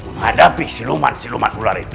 menghadapi siluman siluman ular itu